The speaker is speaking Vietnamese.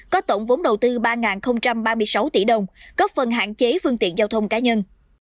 có tổng vốn đầu tư ba ba mươi sáu tỷ đồng góp phần hạn chế phương tiện giao thông cá nhân